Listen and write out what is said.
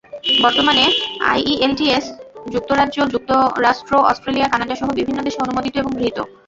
বর্তমানে আইইএলটিএস যুক্তরাষ্ট্র, যুক্তরাজ্য, অস্ট্রেলিয়া, কানাডাসহ বিভিন্ন দেশে অনুমোদিত এবং গৃহীত।